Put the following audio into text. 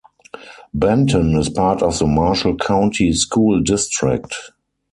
Benton is part of the Marshall County School District.